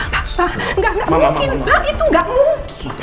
papa gak gak mungkin pak itu gak mungkin